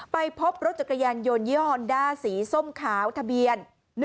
ไปพบรถจักรยานยนต์ยี่ฮอนด้าสีส้มขาวทะเบียน